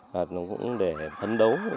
và cũng để phấn đấu